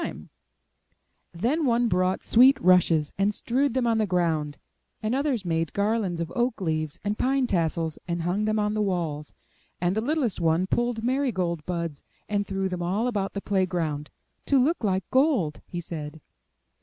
74 UP ONE PAIR OF STAIRS Then one brought sweet rushes and strewed them on the ground; and others made garlands of oak leaves and pine tassels and hung them on the walls; and the littlest one pulled marigold buds and threw them all about the play ground, *'to look like gold/* he said.